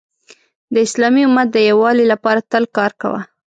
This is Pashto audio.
د اسلامی امت د یووالي لپاره تل کار کوه .